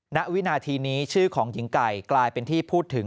ณวินาทีนี้ชื่อของหญิงไก่กลายเป็นที่พูดถึง